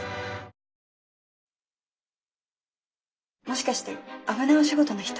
もしかして危ないお仕事の人？